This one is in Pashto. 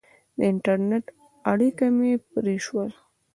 د انټرنېټ اړیکه مې پرې شوې.